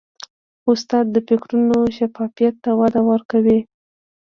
استاد د فکرونو شفافیت ته وده ورکوي.